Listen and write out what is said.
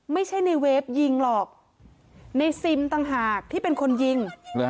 ไม่ใช่ในเวฟยิงหรอกในซิมต่างหากที่เป็นคนยิง